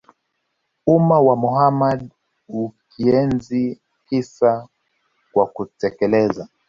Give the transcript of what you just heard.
umma wa Muhammad Hukienzi kisa kwa kutekeleza